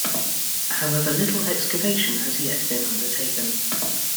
However little excavation has yet been undertaken.